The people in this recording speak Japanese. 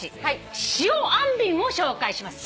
塩あんびんを紹介します。